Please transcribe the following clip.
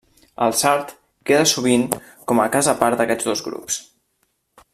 El sard queda sovint com a cas a part d'aquests dos grups.